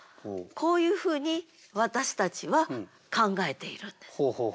こういうふうに私たちは考えているんです。